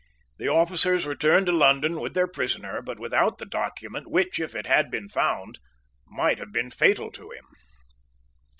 The officers returned to London with their prisoner, but without the document which, if it had been found, might have been fatal to him.